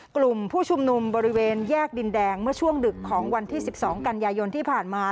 กลุ่มผู้ชุมนุมบริเวณแยกดินแดงเมื่อช่วงดึกของวันที่๑๒กันยายนที่ผ่านมา